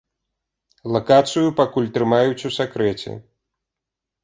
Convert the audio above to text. Лакацыю пакуль трымаюць у сакрэце.